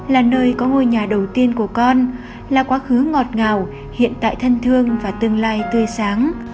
là nơi có ngôi nhà đầu tiên của con là quá khứ ngọt ngào hiện tại thân thương và tương lai tươi sáng